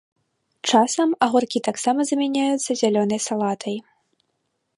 Часам агуркі таксама замяняюцца зялёнай салатай.